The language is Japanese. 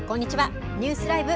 ニュースＬＩＶＥ！